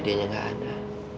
tapi dia gak ada